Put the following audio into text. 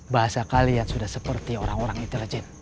bahasa kalian sudah seperti orang orang intelijen